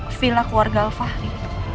menuju vila keluarga al fahri